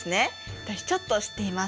私ちょっと知っています。